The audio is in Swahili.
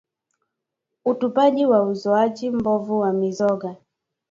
Utupaji au uzoaji mbovu wa mizoga